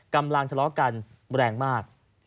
กำลังทะเลาะกันแรงมาก